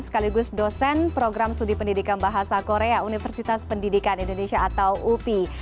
sekaligus dosen program studi pendidikan bahasa korea universitas pendidikan indonesia atau upi